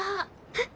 えっ。